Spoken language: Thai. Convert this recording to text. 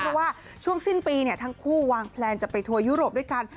เพราะว่าช่วงสิ้นปีทั้งคู่วางแพลนจะไปทัวร์ยุโรปด้วยกัน